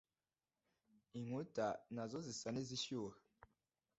inkuta, nazo, zisa n'izishyuha